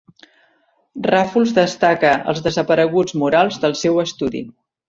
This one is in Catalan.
Ràfols destaca els desapareguts murals del seu estudi.